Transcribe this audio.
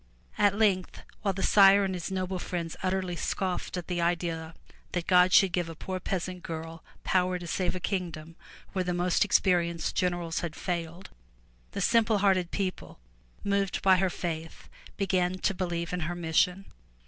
At length while the Sire and his noble friends utterly scoffed at the idea that God should give a poor peasant girl power to save a kingdom where the most experienced generals had failed, the simple hearted people, moved by her faith, began to believe in her mission.